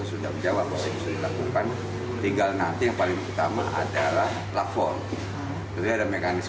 untuk meneliti setara bidang dalam dan teknis